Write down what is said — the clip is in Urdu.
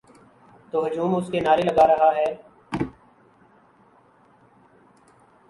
تو ہجوم اس کے نعرے لگا رہا ہے۔